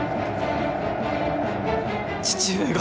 父上が！